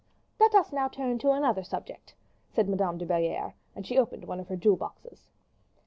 "Let us now turn to another subject," said Madame de Belliere; and she opened one of her jewel boxes.